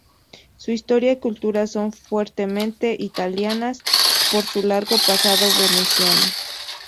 Su historia y cultura son fuertemente italianas por su largo pasado veneciano.